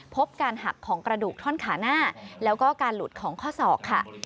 พบการหักของกระดูกท่อนขาหน้าแล้วก็การหลุดของข้อศอกค่ะ